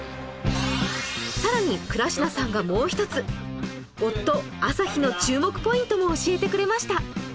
さらに倉科さんがもう一つ夫・旭の注目ポイントも教えてくれました